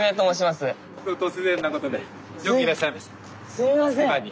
すいません！